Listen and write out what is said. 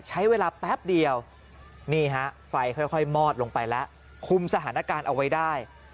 ใช้เวลาแป๊บเดียวนี่ฮะไฟค่อยมอดลงไปแล้วคุมสถานการณ์เอาไว้ได้